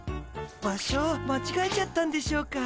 場所間違えちゃったんでしょうか？